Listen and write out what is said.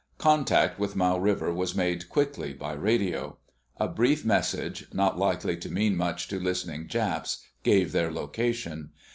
Contact with Mau River was made quickly by radio. A brief message, not likely to mean much to listening Japs, gave their location.